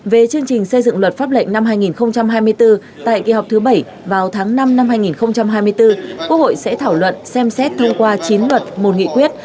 về chương trình xây dựng luật pháp lệnh năm hai nghìn hai mươi bốn tại kỳ họp thứ bảy vào tháng năm năm hai nghìn hai mươi bốn quốc hội sẽ thảo luận xem xét thông qua chín luật một nghị quyết